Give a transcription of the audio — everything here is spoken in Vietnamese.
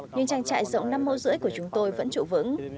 nhưng trang trại rộng năm mâu rưỡi của chúng tôi vẫn trụ vững